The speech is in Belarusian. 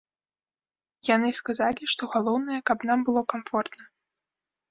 Яны сказалі, што галоўнае, каб нам было камфортна.